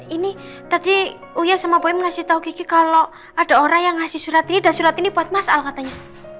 ini tadi uya sama boem ngasih tahu gigi kalau ada orang yang ngasih surat ini dan surat ini buat mas al katanya